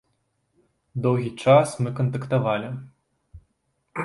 Доўгі час мы кантактавалі.